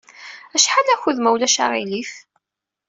Acḥal akud, ma ulac aɣilif?